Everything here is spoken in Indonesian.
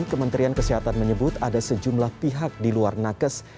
kementerian kesehatan menyebut ada sejumlah pihak di luar nakes